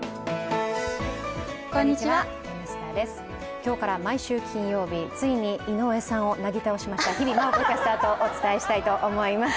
今日から毎週金曜日ついに井上さんをなぎ倒しました日比麻音子キャスターとお伝えしたいと思います。